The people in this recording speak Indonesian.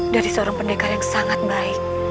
dari seorang pendekar yang sangat baik